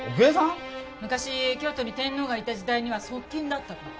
昔京都に天皇がいた時代には側近だったとか。